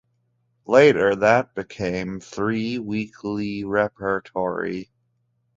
Later, that became three weekly repertory.